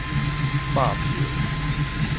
百票